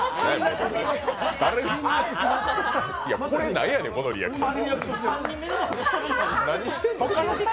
何やねん、このリアクション。